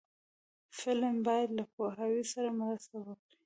فلم باید له پوهاوي سره مرسته وکړي